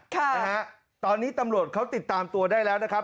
ค่ะนะฮะตอนนี้ตำรวจเขาติดตามตัวได้แล้วนะครับ